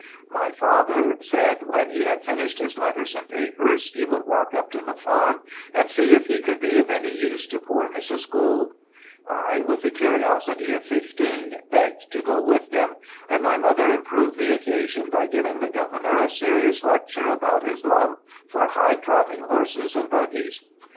"My father said when he had finished his letters and papers he would walk up to the farm, and see if he could be of any use to poor Mrs. Gould; I, with the curiosity of fifteen, begged to go with him; and my mother improved the occasion by giving the governor a serious lecture about his love for high trotting horses and buggies.